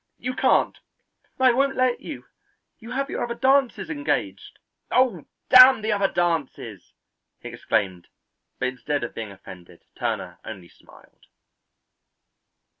"You can't. I won't let you. You have your other dances engaged!" "Oh, damn the other dances!" he exclaimed, but instead of being offended, Turner only smiled.